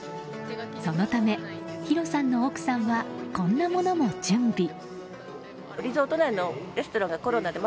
そのため、ひろさんの奥さんはこんなものも準備。